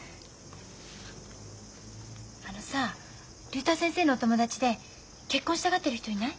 あのさ竜太先生のお友達で結婚したがってる人いない？